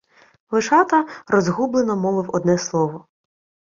Вишата розгублено мовив одне слово: